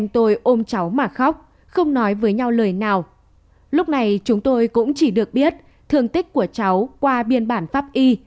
trong ngày chúng tôi cũng chỉ được biết thương tích của cháu qua biên bản pháp y